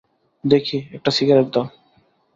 দেখি, একটা সিগারেট দাও।